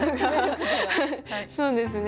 そうですね。